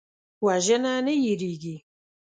وژنه نه هېریږي